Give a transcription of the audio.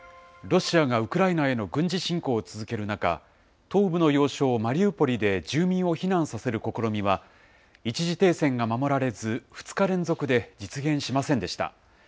ロシアがウクライナへの軍事侵攻を続ける中、東部の要衝、マリウポリで住民を避難させる試みは、一時停戦が守られず、２日連続で実現しませんでした。